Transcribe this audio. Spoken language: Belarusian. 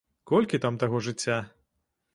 Колькі там таго жыцця?